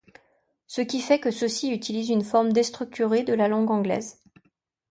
Ce qui fait que ceux-ci utilisent une forme déstructurée de la langue anglaise.